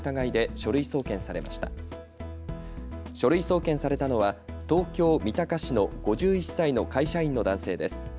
書類送検されたのは東京三鷹市の５１歳の会社員の男性です。